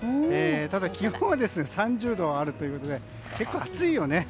ただ、気温は３０度あるということで結構、暑いよね。